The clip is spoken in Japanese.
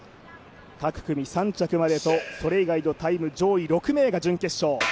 各組３着までと、それ以外のタイム６名が準決勝。